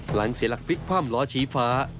หลังเสียหลักฟิตคว่ามล้อชี้ฟ้า